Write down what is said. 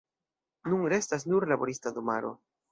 Nun restas nur laborista domaro.